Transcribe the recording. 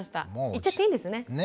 言っちゃっていいんですね。